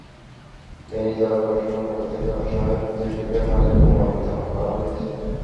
ফেনী জেলা প্রশাসনের পক্ষ থেকে অসহায় মুক্তিযোদ্ধাদের মাঝে কম্বল বিতরণ করা হয়েছে।